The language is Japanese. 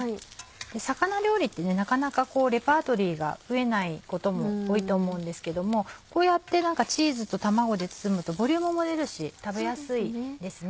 魚料理ってなかなかレパートリーが増えないことも多いと思うんですけどもこうやってチーズと卵で包むとボリュームも出るし食べやすいですね。